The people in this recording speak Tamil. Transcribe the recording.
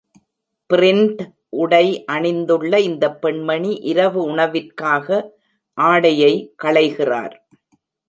பிரின்ட் உடை அணிந்துள்ள இந்த பெண்மணி இரவு உணவிற்காக ஆடையை களைகிறார்.